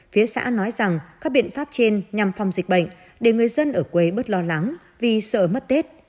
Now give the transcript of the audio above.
phía xã nói rằng các biện pháp trên nhằm phòng dịch bệnh để người dân ở quê bớt lo lắng vì sợ mất tết